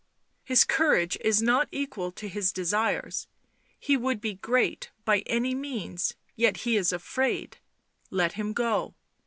His courage is not equal to his desires. He would be great — by any means; yet he is afraid — let him go.